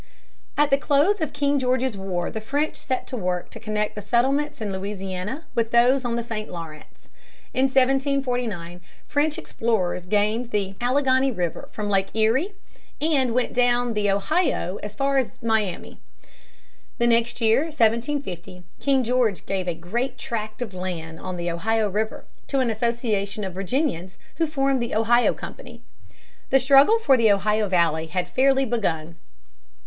At the close of King George's War the French set to work to connect the settlements in Louisiana with those on the St. Lawrence. In 1749 French explorers gained the Alleghany River from Lake Erie and went down the Ohio as far as the Miami. The next year (1750) King George gave a great tract of land on the Ohio River to an association of Virginians, who formed the Ohio Company. The struggle for the Ohio Valley had fairly begun.